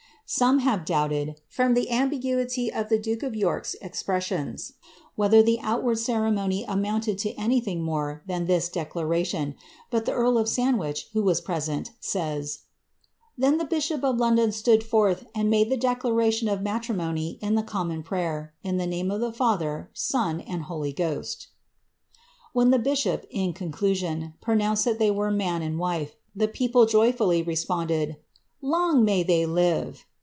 Some have doubted, from the tmbi* guity of the duke of York ^8 expressions, whether the outward cere mony amounted to anything more than this declaration ; but the earl of Sandwich, who was presenti says, ^ Then the bishop of London stood forth, and made the declaration of matrimony in the Common Prayer, in the name of the Father, Son, and Holy Ghost" When the bishop, in conclusion, pronounced tliat they were man and wife, the people joy fully responded, ^ Long may they live